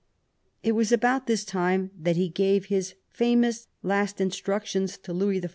It was about this time that he gave his famous last in junctions to Louis XIV.